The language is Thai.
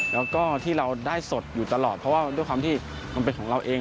แล้วก็ที่เราได้สดอยู่ตลอดเพราะว่าด้วยความที่มันเป็นของเราเอง